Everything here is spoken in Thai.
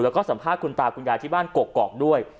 แล้วก็สัมภาษณ์คุณตาคุณยายที่บ้านกกอกด้วย